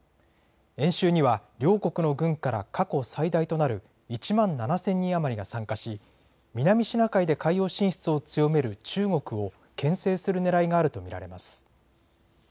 演習には両国の軍から過去最大となる１万７０００人余りが参加し南シナ海で海洋進出を強める中国をけん制するねらいがあると見られます。